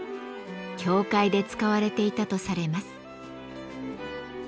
教会で使われていたとされます。